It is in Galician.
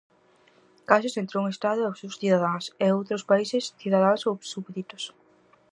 Casos entre un Estado e os seus cidadáns, e outros países, cidadáns ou súbditos.